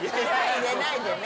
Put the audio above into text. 入れないでね。